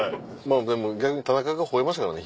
でも逆に田中が吠えましたからね